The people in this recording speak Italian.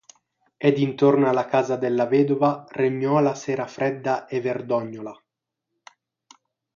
Ed intorno alla casa della vedova regnò la sera fredda e verdognola.